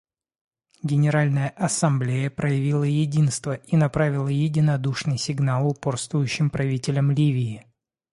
Генеральная Ассамблея проявила единство и направила единодушный сигнал упорствующим правителям Ливии.